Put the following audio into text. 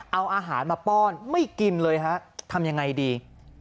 เอาอาหารมาป้อนไม่กินเลยฮะทำยังไงดี